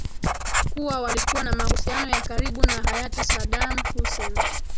kuwa walikuwa na mahusiano ya karibu na hayati sadaam hussein